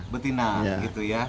betina gitu ya